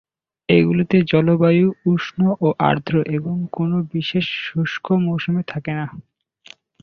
এগুলিতে জলবায়ু উষ্ণ ও আর্দ্র এবং কোন বিশেষ শুষ্ক মৌসুম থাকে না।